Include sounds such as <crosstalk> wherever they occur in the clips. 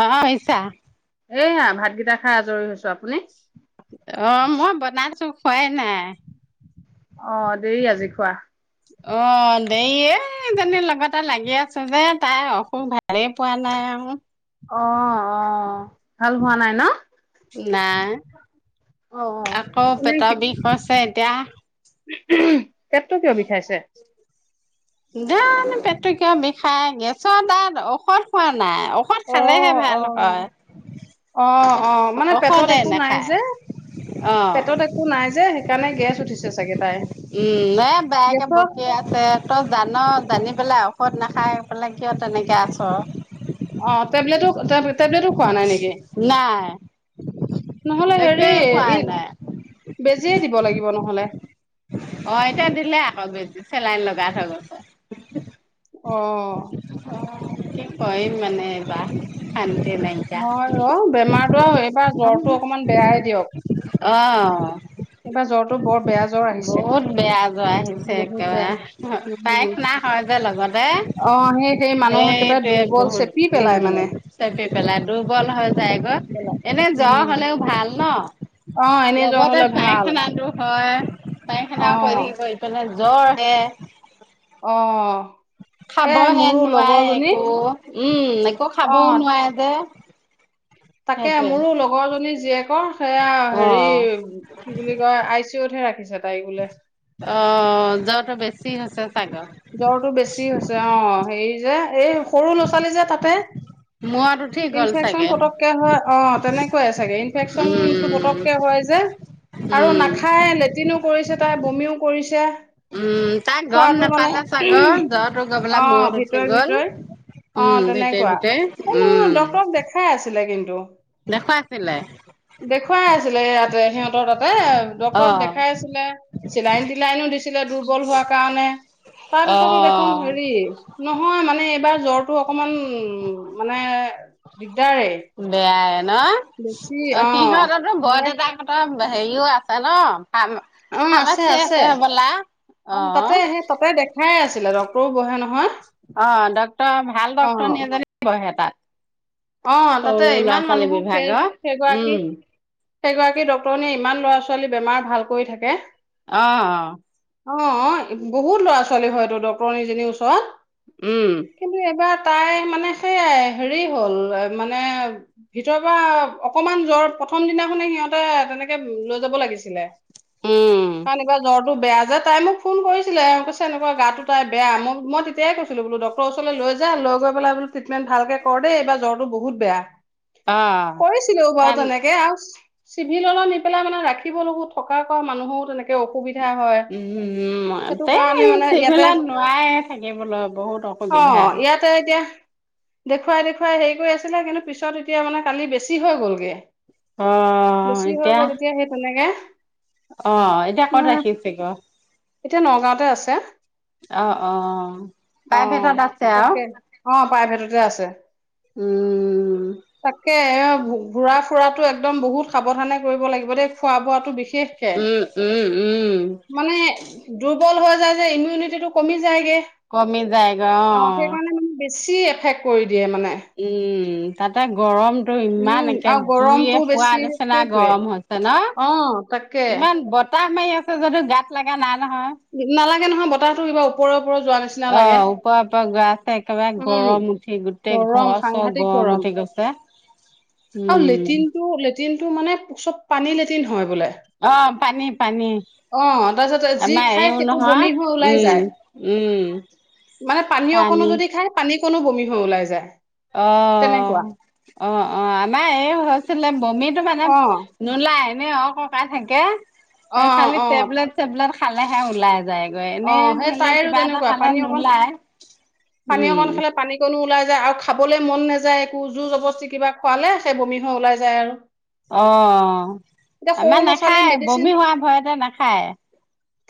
অ' <unintelligible> এইয়া ভাতকেইটা খাই আজৰি হৈছোঁ আপুনি। অ' মই বনাইছো খোৱাই নাই। অ' দেৰি আজি খোৱা। অ' দেৰি এই এইজনী লগতে লাগি আছো যে তাই অসুখ ভালেই পোৱা নাই আৰু। অ', অ', ভাল হোৱা নাই ন'। নাই, অ অ। আকৌ এনে পেটৰ বিষ আছে এতিয়া। পেটটো কিয় বিষাইছে? জানো পেটটো কিয় বিষাই গেছৰ তাত ঔষধ খোৱা নাই ঔষধ অ খালেহে অ ভাল হয়। অ', অ', মানে পেটত ঔষধে একো নাই নাখায় যে। অ পেটত একো নাই যে সেইকাৰণে গেছ উঠিছ উম, এ বায়েকে গেছৰ বকি আছে তই জান' জানি পেলাই ঔষধ নাখাই পেলাই কিয় তেনেকে আছোঁ। অ', টেবলেটো - টেবলেটো খোৱা নাই নেকি? নাই নহ'লে একোৱে হেৰি, খোৱা নাই বেজিয়ে দিব লাগিব নহ'লে। অ', এতিয়া দিলে আকৌ বেছি চেলাইন লগাই থৈ গৈছে। অ', অ' কি কৰিম মানে এই বাৰ খা হয় অ' বেমাৰটো আৰু এইবাৰ জ্বৰটো অকমান বেয়াই দিয়ক। অ'। এইবাৰ জ্বৰটো বৰ বেয়া জ্বৰ আহিছে বহুত বেয়া জ্বৰ আহিছে বহুত বেয়া একেবাৰে পায় উম, খানা হয় যে লগতে। অ সেই সেই মানুহ একেবাৰে সেইটোৱে দুৰ্বল চেপি বহুত পেলাই মানে। উম, চেপি পেলাই দুৰ্বল হয় যায় চেপি গৈ। পেলাই। এনে জ্বৰ উম, হ'লেও ভাল ন'। অ', এনেই জ্বৰ হ'লে ভাল। পাইখানাটো হয়। পায় অ খানা কৰি কৰি পেলাই জ্বৰহে অ', এ খাবহে মোৰো নোৱাৰে লগৰজনী একো উম, একো অ খাবও নোৱাৰে যে। তাকে সেইটোৱে মোৰো লগৰ জনী জীয়েকৰ, সেয়া হেৰি অ কি বুলি কয় আই চি ইত হে ৰাখিছে। তাইক বোলে। অ', জ্বৰটো বেছি হৈ জ্বৰটো বেছি হৈছে অ', হেৰি যে এই সৰু ল'ৰা ছোৱালী যে তাতে <unintelligible> উঠি গ'ল ইনফেকচন চাগে। পতককে হয় অ', তেনেকুৱাই চাগে ইনফেকচনটো উম, পতককে হয় যে। আৰু উম। নাখাই লেট্ৰিনো কৰিছে তাই বমিও কৰিছে। উম, তাক গম খোৱাটো মানে নেপালা চাগৰ জ্বৰটো গ'বলা অ' মূৰত উঠি ভিতৰি গ'ল। ভিতৰি উম, অ' ভিতৰে তেনেকুৱা। ভিতৰেই এ নহয় উম, ডক্তৰক দেখাই আছিলে কিন্তু। দেখুৱাইছিলে দেখুৱাই আছিলে <unintelligible> তাতে ডক্তৰক অ'। দেখাই আছিলে, চিলাইন টিলাইনো দিছিলে দুৰ্বল হোৱাৰ কাৰণে। তাৰপিছতো দেখোন অ', হেৰি, নহয় মানে এইবাৰ জ্বৰটো অকমান উম, মানে দিগদাৰে বেয়াই ন, বেছি অ', সিঁহতৰতো মানে বৰদেউতাকহঁতৰ হেৰিও আছে ন? ফাৰ্ম অ', আছে ফাৰ্মাচী আছে, হ'বলা? অ', তাতে সেই তাতে দেখাই আছ ডক্টৰো বহে নহয়। অ', ডক্টৰ ভাল অ' ডক্টৰনি এজনী বহে তাত। অ', তাতে সৰু ল'ৰা ইমান ছোৱালী মানুহক সেই বিভাগৰ সেইগৰাকী উম। সেইগৰাকী ডক্তৰনীয়ে ইমান ল'ৰা ছোৱালী বেমাৰ ভাল কৰি থাকে। অ', অ', বহুত ল'ৰা-ছোৱালী হয়টো ডক্টৰনীজনীৰ ওচৰত। উম, কিন্তু এইবাৰ তাই মানে সেইয়াই হেৰি হ'ল মানে ভিতৰৰ পৰা অকমান জ্বৰ প্ৰথম দিনাখনে সিহঁতে তেনেকে লৈ যাব। যাব লাগিছিলে, উম, কাৰণ ইবাৰ জ্বৰটো টো বেয়া যে তাই মোক ফোন কৰিছিলে আৰু কৈছে এনেকুৱা গাটো তাইৰ বেয়া, ম‌ই-মই তেতিয়াই কৈছিলো বোলো ডক্টৰ ওচৰলৈ লৈ লৈ যা, লৈ গৈ পেলাই বোলো ট্ৰিটমেন্ট ভালকে কৰ দেই, এইবাৰ জ্বৰ বহুত বেয়া, অ', কৈছিলো বাৰু তান তেনেকে আৰু চিভিললৈ নি পেলাই মানে ৰাখিব লৈও থকা কৰা মানুহও তেনেকে অসুবিধা হয় উম, সেইটো কাৰণে তেই মানে ইয়াতে সেইবিলাক নোৱাৰে থাকিবলৈ বহুত অসুবিধা। অ', ইয়াতে এতিয়া। দেখুৱাই-দেখুৱাই হেৰি কৰি আছিলে। কিন্তু পিছত এতিয়া মানে কালি বেছি হৈ গ'লগে। বেছি হৈ গ'ল এতিয়া সেই তেনেকে। অ', এতিয়া ক'ত তোমাৰ ৰাখিছে গৈ? এতিয়া নগাঁওতে আছে। অ', অ'। অ', প্ৰাইভেটত আছে আৰু তাকে অ' প্ৰাইভেটতে আছে, উম, তাকে এই ঘু-ঘুৰা ফুৰাটো একদম বহুত সাৱধানে কৰিব লাগিব দেই, খোৱা বোৱাটো বে বিশেষকে উম, উম, উম, মানে ডো দুৰ্বল হৈ যায় যে ইমিউনিটিটো কমি যায়গে। কমি যায়গৈ অ', চি এফেক্ট কৰি দিয়ে মানে। উম, তাতে গৰম টো উম ইমান একে আৰু গৰমটো জুইয়ে পুৰা বেছি নিচিনা সেইটোৱে গৰম হৈছে ন'। অ তাকে ইমান বতাহ মাৰি আছে যদিও গাত লাগা নাই নালাগে বতাহটো কিবা ওপৰে ওপৰে যোৱা নিচিনা নহয়। অ লাগে ওপৰৰ পৰা গা-ছা একেবাৰে উম গৰম উঠি গোটেই গৰম ঘৰ-চৰ সাংঘাতিক গৰম উঠি গৈছে। আৰু উম, লেট্ৰিনটো-লেটিনটো মানে চব পানী লেটিন হয় বোলে। অ' পানী পানী। অ তাৰপিছত যি আমাৰ খাই এইৰো সেইটো নহয়। বমি হৈ ওলাই যায় উম-উম। মানে পানী অকণো যদি খাই, পানী কণো বমি হৈ ওলাই যায়। তেনেকুৱা অ- অ-অ, আমাৰ এইৰ হৈছিলে বমিটো মানে অ অ নলাই এনে অক-অকাই থাকে, এ খালি অ অ টেবলেট-চেবলেট খালেহে ওলাই যায়। অ এনে সেই ধৰি লোৱা তাইৰো কিবা এটা তেনেকুৱা খালে পানী অকণ নোলায়, পানী উম, অকণ খালে পানী কণো ওলাই আৰু খাবলৈ মন নাযায় একো, জুৰ-জবস্তি কিবা খোৱালে সেই বমি হৈ ওলাই যায় আৰু। অ', এতিয়া সৰু আমাৰ ল'ৰা ছোৱালী নাখায়, বমি হোৱা ভয়তে নাখায়।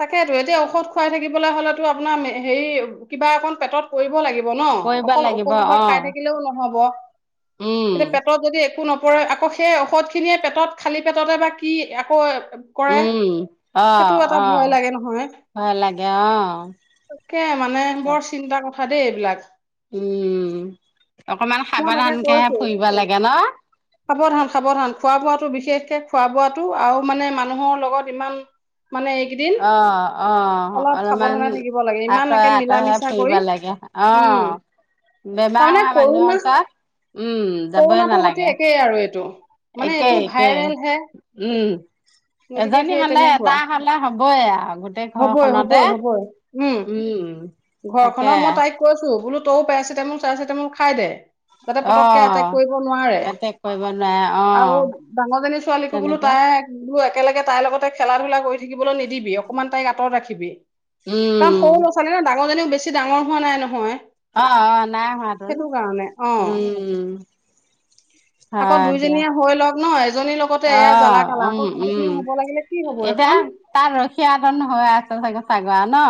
তাকেইতো। এতিয়া ঔষধ খুৱাই থাকিবলে হ'লেতো আপোনাৰ হেৰি কিবা অকন পেটত পৰিব লাগি ন', কৰিব অকল লাগিব ঔষধ সোপা অ'। খাই থাকিলেও নহব, উম এতিয়া পেটত যদি একো ন পৰে আকৌ সেই ঔষধখিনিয়ে পেটত খালী পেটতে বা কি আকৌ কৰে। উম অ সেইটো এটা অ ভয় লাগে নহয়। ভয় লাগে অ তাকে মানে তাক বৰ চিন্তাৰ কথা দেই এইবিলাক। উম, অকমান সাৱধানকে ফুৰিব লাগে ন'। সাৱধান-সাৱধান খোৱা-বোৱাতো বিশেষকে খোৱা- বোৱাত টো আৰু মানে মানুহৰ লগত ইমান মানে এইকেইদিন অ-অ অলপ অলপমান সাৱধানে থাকিব লাগে ইমান একে মিলা আঁতৰে-আঁতৰে মিছা ফুৰিব কৰি লাগে। উম অ। বেমাৰ তাৰমানে হোৱা মানুহৰ কৰোণা ওচৰত উম যাবই কৰোণাটো সৈতে নালাগে। একেই আৰু এইটো মানে এইটো একেই-একেই ভাইৰেল হে উম, গতিকে এজনী সেই হ'লে তেনেকুৱা এটাৰ হ'লে হ'বই আৰু গোটেই হ'বই ঘৰখনতে। হ'বই হ'বই উম, উম, ঘৰখনৰ মই তাইক কৈছো বোলো তইও পেৰাচিটামল-চেৰাচিটামল খাই দে। যাতে অ পতকে এটেক কৰিব নোৱাৰে, এটেক কৰিব নোৱাৰে অ আৰু ডাঙৰজনী ছোৱালীকো বোলো তেনেকে তাত- বুলো একেলগে তাইৰ লগতে খেলা-ধূলা কৰি থাকিবলৈ নিদিবি। অকনমান তাইক আঁতৰত ৰাখিবি। কাৰণ উম সৰু ল'ৰা ছোৱালী ন, ডাঙৰজনীও বেছি ডাঙৰ হোৱা নাই নহয়। অ-অ নাই হোৱাটো। সেইটো কাৰণে অ উম, <unintelligible> আকৌ হয় দিয়া দুইজনীয়ে হৈ লওক ন, এজনীৰ লগতে অ এয়া জ্বালা-কালা। উম আকৌ উম সজনীও হ'ব লাগিলে কি হব এতিয়া এখন। তাত ৰখীয়া এজন হৈ আছে চাগে ন?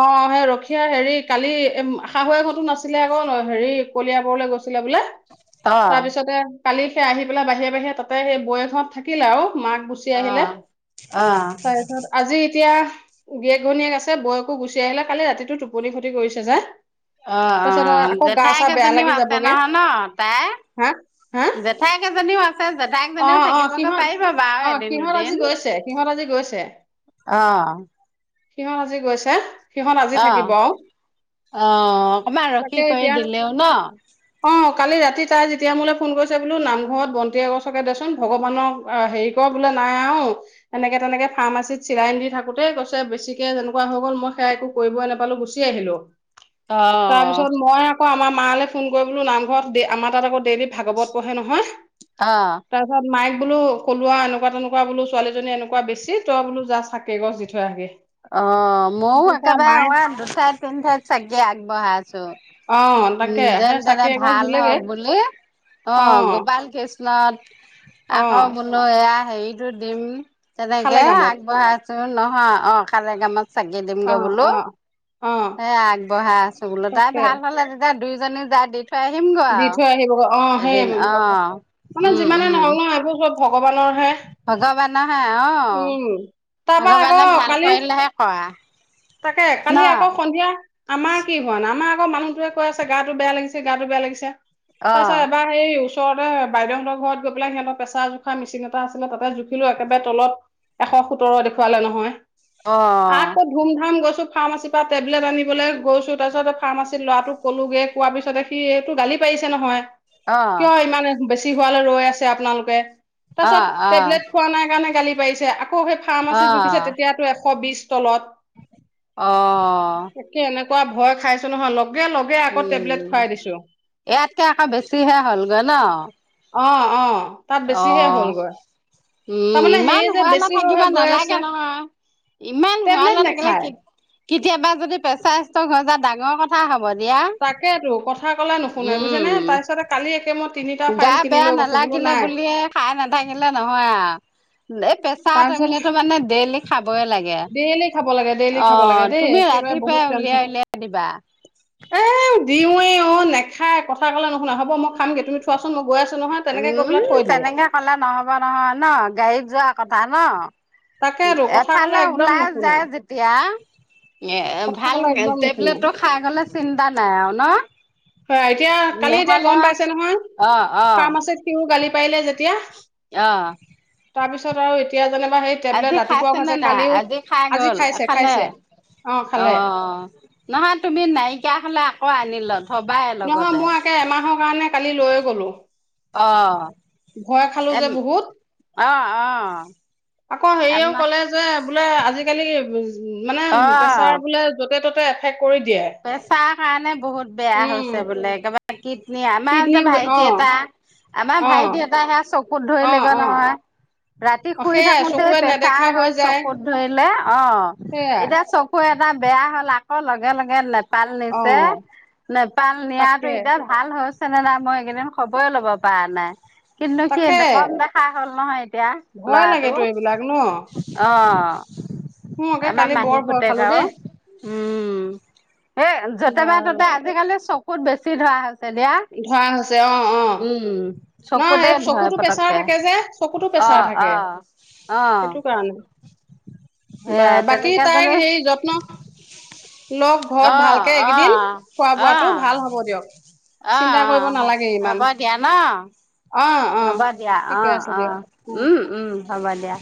অ' সেই ৰখিয়া হেৰি কালি এ শাহুয়েক হতো নাছিলে আকৌ হেৰি কলিয়াবৰলৈ গৈছো। ছিলে বোলে, অ অ তাৰ পিছতে কালি সেই আহি পেলাই বাহিৰে বাহিৰে তাতে সেই বৈয়েকহত থাকিলে আৰু। মাক গুচি আহিলে অ তাৰপিছত আজি এতিয়া গিৰিয়েক ঘৈণীয়েক আছে বৈ গুচি আহিলে কালি ৰাতিটো টোপনি ক্ষতি কৰিছে যে। অ', তাৰপিছত অ', আকৌ গা জেঠাই চা বেয়া এজনীও লাগি আছে যাবগে নহয় ন' তাইৰ। হা হা জেঠাইক এজনীও আছ জেঠাইক অ একজনীও অ থাকিবগে সিহঁত পাৰিব বাৰো অ এদিন সিহঁত আজি দুদিন। গৈছে সিহঁত আজি গৈছে অ, সিহঁত আজি গৈছে, সিহঁত আজি অ থাকিব। অ অকণমান ৰখি তাকে কৰি এতিয়া দিলেও ন, অ কালি ৰাতি তাই যেতিয়া মোলৈ ফোন কৰিছে বোলো নামঘৰত বন্তি এগ <unintelligible> দেচোন ভগৱানক অ হেৰি কৰ বোলে নাই আৰু এনেকে তেনেকে ফাৰ্মাচিতত চিলাইন দি থাকোতে কৈছে বেছিকে যেনেকুৱা হৈ গ'ল মই সেয়া একো কৰিবই নাপালো গুচি আহিলো। অহ, তাৰপিছত মই আকৌ আমাৰ মালৈ ফোন কৰি বোলো নামঘৰত আমাৰ তাত আকৌ ডেইলি ভাগৱত পঢ়ে নহয়। অ তাৰপিছত মাইক বোলো কলো আৰু এনেকুৱা তেনেকুৱা বোলো ছোৱালীজনী এনেকুৱা বেছি তই বোলো জা চাকি এগছ দি থৈ আহগে। অ' মইও তাৰপিছতে মায়ে একেবাৰে অ' দুঠাইত তিনি ঠাইত চাকি আগবঢ়াই আছো। অ তাকে উম, যেন সেই তেনে চাকি এগছ ভাল দিলেগে হওক বুলি অ' গোপাল কৃষ্ণ <unintelligible> অ আকৌ বলো এয়া হেৰিতো দিম খালে তেনেকে কামত আগবঢ়াই টো নহয় অ' <unintelligible> চাগি দিম অ গৈ বোলো অ অ এ আগবঢ়াই আছো বোলো তাই তাকে ভাল হলে তেতিয়া দুই জনী জাই দি থৈ আহিম গে দি আৰু। থৈ আহিবগৈ অ' সেইয়ে এদিন অ', মানে যিমানে নহওঁক ন' এইবোৰ চব ভগৱানৰ হে ভগৱানহে অহ তাৰপা আকৌ ভগৱানে ভাল কালি কৰিলেহে কৰা। তাকে ন কালি আকৌ সন্ধিয়া আমাৰ কি হোৱা নাই আমাৰ আকৌ মানুহতোৱে কৈ আছে গাটো বেয়া লাগিছে গাটো বেয়া লাগিছে অ', তাৰপিছত এবাৰ হে ওচৰতে বাইদেউহৰ ঘৰত গৈ পেলাই সিহঁতৰ পেছাৰ জোখা মেচিন এটা আছে তাতে জুখিলো একোবাৰে তলত এশ সোতৰ দেখুৱালে নহয়। অ'। আকৌ ধুম ধাম গৈছোঁ ফাৰ্মাচীৰ পৰা টেবলেট আনিবলৈ গৈছোঁ তাৰপিছত ফাৰ্মাচী ল'ৰাটো ক'লোঁগৈ কোৱাৰ পিছ সেই এইটো গালি পাৰিছে নহয় অ'। কিয় ইমান বেছি হোৱালৈ ৰৈ আছে আপোনালোকে অ', তাৰপিছত অ', টেবলেট খোৱা নাই কাৰণে গালি পাৰিছে আকৌ সেই ফাৰ্মাচী জুখিছে তেতিয়াতো এশ শ বিশ তলত। অহ। এনেকোৱা ভয় খাইছো নহয় লগ উম, ইয়াতকে আকৌ বেছিহে হ'লগৈ ন অ', অ'। তাত বেছিহে অহ। হ'লগৈ উম তাৰমানে ইমান হেৰি যে হোৱালে বেছি হৈ থাকিব হৈ গৈ আছে নালাগে নহয় ইমান টেবলেট হোৱালে নেখায় থাকিব কেতিয়াবা যদি পেছাৰ ষ্টক হৈ যা ডাঙৰ কথা হ'ব। দিয়া। তাকেতো কথা ক'লে নুশুনাই বুজছে নে উম, তাৰ পিছতে কালি একে মই তিনিটা ফাইল কিনি লৈ কৈছো। থাকিলে বুলিয়ে খাই নাথাকিলে নহয় আৰু। এই প্ৰেছাৰ তাৰপিছত তেমো মানে ডেইলি খাবই লাগে, ডেইলি খাব লাগে ডেইলি অ' খাব লাগে দেই তুমি একেবাৰে ৰাতি দিবা বহুত টেনচন উলিয়াই উলিয়াই দিবা। এ দিওঁৱে অ' নেখায় কথা ক'লে নুশুনা হ'ব মই খামগে তুমি থোৱা উম তেনেকে কলে নহব নহয় ন' গাড়ীত যোৱা কথা ন'। তাকেতো কথা ক'লে এফালে একদম ওলাই নুশুনে যায় যেতিয়া এ কথা ভাল ক'লে একদম নুশুনে টেবলেটটো খাই গলে চিন্তা নাই আৰু ন'। হয় এতিয়া কালি এতিয়া নহ'লে গম পাইছে নহয় অ ফাৰ্মাচত সিও গালি পাৰিলে যেতিয়া। অহ। তাৰপিছত আৰু এতিয়া যেনে আজি খাইছেনে নাই আজি খাই আজি গল এ খাইছে খালে? খাইছে অ খালে অ', নহয় তুমি নাইকিয়া হলে আকৌ আনি ল থবাই নহয় লগতে মই আকে এমাহৰ কাৰণে কালি লৈয়ে গলোঁ অ', এ যে বহুত অ', অ', আকৌ হেৰিয়ও আমা ক'লে যে বোলে আজিকালি উম, মানে প্ৰেছাৰ বোলে য'তে ত'তে এফেক্ট কৰি দিয়ে। প্ৰেচাৰ কাৰণে বহুত বেয়া হৈছে বোলে, একেবাৰে কিডনী আমাৰ যে কিডনীও অ ভাইটি এটা আমাৰ অ ভাইটি এটা সেয়া চ ক'ত ধৰি অ লগা অ নহয়। ৰাতি অ শুই সেইয়াই থাকোতে চকুৱে পেছা নেদেখা হৈ হয় যায় চকুত ধৰিলে অ' সেইয়াই এতিয়া চকু এটা টা বেয়া হ'ল আকৌ লগে লগে লে পাল অ নিছে নেপাল নিয়াটো তাকে এতিয়া ভাল হৈছে। নে নাই মই এইকেইদিন খবৰে ল'ব পৰা নাই। কিন্তু সি তাকে এনেকোৱা দেখা হ'ল নহয় এতিয়া ভয় লৰাটো লাগেতো এইবিলাক ন অ', মোৰ একে আমাৰ কালি মাহী বৰ ভয় পুতেক খালো আও দেই উম, এ যতে বা বাৰু তততে আজিকালি চকুত বেছি ধৰা হৈছে দিয়া। ধৰা হৈছে অ', অ', নহ চকুতে এই ধৰে চকুতো প্ৰেছাৰ পতককে থাকে যে চকুতো চাই অ', থাকে, অ', অ', সেইটো কাৰণে সেয়া বাৰ বাকী তেনেকে যদি তাই সেই যত্ন লগ ঘৰত অ', ভালকে অ', এইকেইদিন খোৱা বোৱটো ভাল হ'ব দিয়ক। অ', চিন্তা কৰিব অ', নালাগে হ'ব ইমান দিয়া ন' অ অ হবা দিয়া ঠিকে অ', আছে অ', দিয়ক উম, উম, হ'ব দিয়া